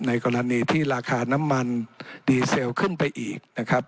กรณีที่ราคาน้ำมันดีเซลขึ้นไปอีกนะครับ